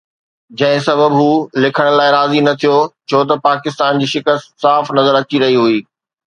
جنهن سبب هو لکڻ لاءِ راضي نه ٿيو ڇو ته پاڪستان جي شڪست صاف نظر اچي رهي هئي.